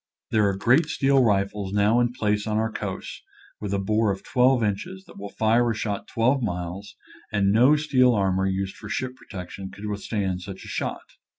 There are great steel rifles now in place on our coasts, with a bore of twelve inches, that will fire a shot twelve miles, and no steel armor used for ship protection could withstand such a shot.